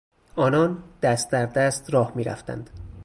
آنان دست در دست راه میرفتند.